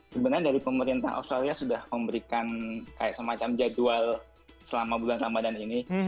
sebenarnya dari pemerintah australia sudah memberikan kayak semacam jadwal selama bulan ramadhan ini